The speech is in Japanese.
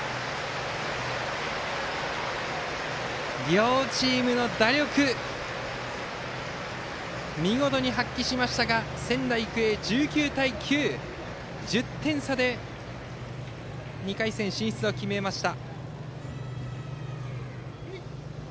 両チームが打力を見事に発揮しましたが仙台育英、１９対９と１０点差で２回戦進出を決めました。